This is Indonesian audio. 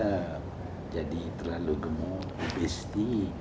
menjadi terlalu gemuk